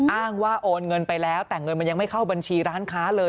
อ้างว่าโอนเงินไปแล้วแต่เงินมันยังไม่เข้าบัญชีร้านค้าเลย